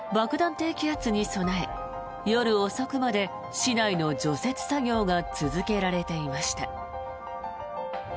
低気圧に備え夜遅くまで市内の除雪作業が続けられていました。